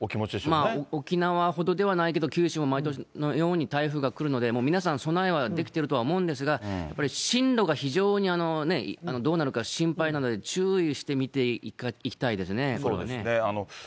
まあ沖縄ほどではないけど、九州も毎年のように台風が来るので、皆さん、備えはできてるとは思うんですが、やっぱり進路が非常にどうなるか心配なので、注意をしてみていきたいですね。